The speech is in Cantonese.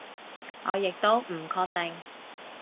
我亦都唔確定